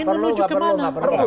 enggak perlu enggak perlu